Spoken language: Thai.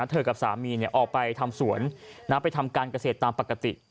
กับสามีออกไปทำสวนไปทำการเกษตรตามปกติ